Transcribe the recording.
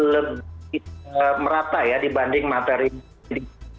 lebih merata ya dibanding materi